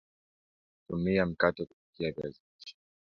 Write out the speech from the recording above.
tumia Mkaa kupikia viazi lishe